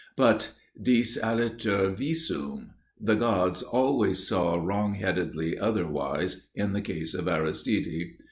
But dis aliter visum. The gods always saw wrong headedly otherwise in the case of Aristide.